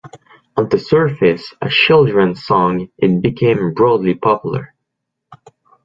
On the surface a children's song, it became broadly popular.